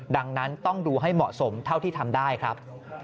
ดังนั้นต้องดูให้เหมาะสมเท่าที่ทำได้ครับ